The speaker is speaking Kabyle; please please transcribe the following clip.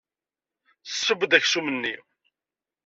Tesseww-d aksum-nni.